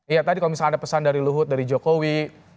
iya tadi kalau misalnya ada pesan dari luhut dari jokowi